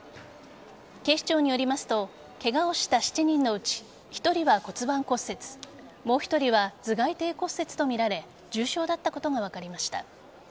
警視庁によりますとケガをした７人のうち１人は骨盤骨折もう１人は頭蓋底骨折とみられ重傷だったことが分かりました。